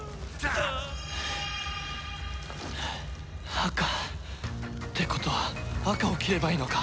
赤？ってことは赤を切ればいいのか？